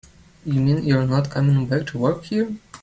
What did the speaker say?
You mean you're not coming back to work here?